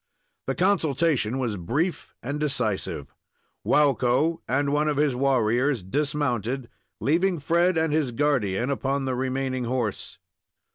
The consultation was brief and decisive. Waukko and one of his warriors dismounted, leaving Fred and his guardian upon the remaining horse.